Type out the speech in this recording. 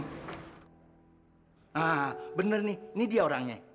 nah bener nih ini dia orangnya